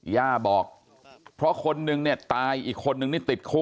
ย่าบอกเพราะคนนึงเนี่ยตายอีกคนนึงนี่ติดคุก